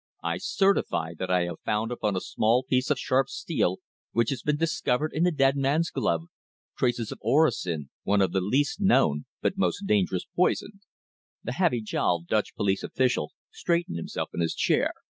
"I certify that I have found upon a small piece of sharp steel, which has been discovered in the dead man's glove, traces of orosin, one of the least known but most dangerous poisons." The heavy jowled Dutch police official straightened himself in his chair.